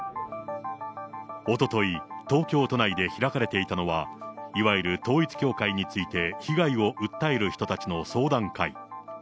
おととい、東京都内で開かれていたのは、いわゆる統一教会について被害を訴える人たちの相談会。